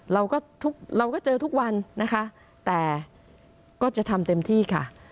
เราก็ทุกเราก็เจอทุกวันนะคะแต่ก็จะทำเต็มที่ค่ะ